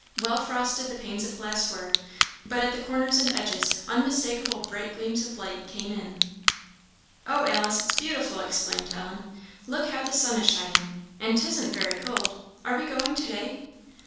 Well frosted the panes of glass were, but at the corners and edges, unmistakeable bright gleams of light came in. "Oh, Alice, it's beautiful!" exclaimed Ellen; "look how the sun is shining! and 'tisn't very cold. Are we going to day?"